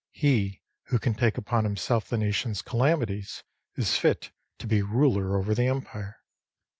He who can take upon himself the nation's calamities is fit to be ruler over the Empire."